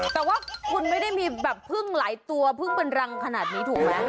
แต่ว่าคุณไม่ได้มีแบบพึ่งหลายตัวพึ่งเป็นรังขนาดนี้ถูกไหม